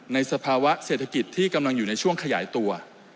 สภาวะเศรษฐกิจที่กำลังอยู่ในช่วงขยายตัว